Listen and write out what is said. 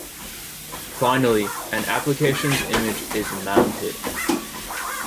Finally, an applications image is mounted.